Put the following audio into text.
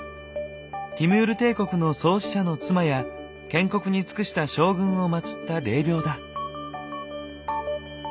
ティムール帝国の創始者の妻や建国に尽くした将軍をまつった霊廟だ。